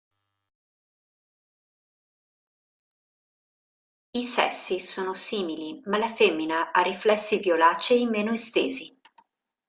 I sessi sono simili, ma la femmina ha riflessi violacei meno estesi.